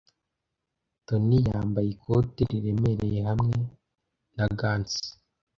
Toni yambaye ikote riremereye hamwe na gants.